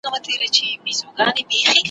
د خزان په موسم کي `